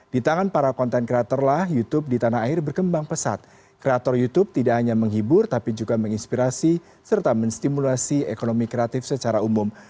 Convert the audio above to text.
di tangan para content creatorlah youtube di tanah air berkembang pesat kreator youtube tidak hanya menghibur tapi juga menginspirasi serta menstimulasi ekonomi kreatif secara umum